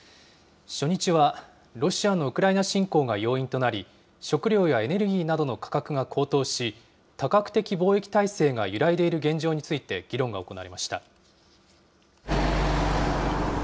初日はロシアのウクライナ侵攻が要因となり、食料やエネルギーなどの価格が高騰し、多角的貿易体制が揺らいでいる現状について、議論が行われました。